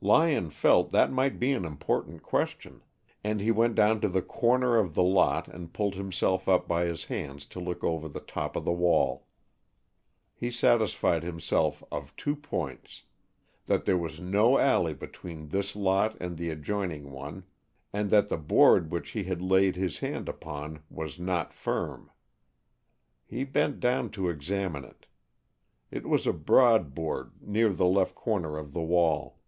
Lyon felt that might be an important question, and he went down to the corner of the lot and pulled himself up by his hands to look over the top of the wall. He satisfied himself of two points, that there was no alley between this lot and the adjoining one, and that the board which he had laid his hand upon was not firm. He bent down to examine it. It was a broad board near the left corner of the wall.